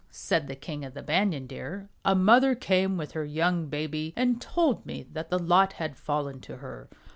said the King of the Banyan Deer, "a mother came with her young baby and told me that the lot had fallen to her.